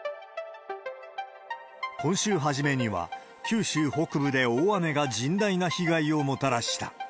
今週初めには、九州北部で大雨が甚大な被害をもたらした。